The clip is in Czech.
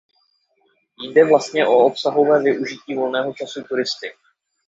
Jde vlastně o obsahové využití volného času turisty.